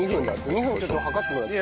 ２分ちょっと計ってもらっていい？